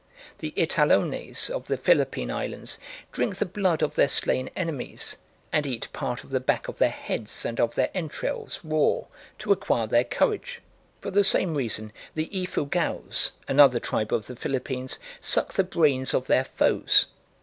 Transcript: The Italones of the Philippine Islands drink the blood of their slain enemies, and eat part of the back of their heads and of their entrails raw to acquire their courage. For the same reason the Efugaos, another tribe of the Philippines, suck the brains of their foes.